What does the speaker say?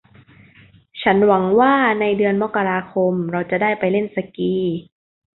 ฉันหวังว่าในเดือนมกราคมเราจะได้ไปเล่นสกี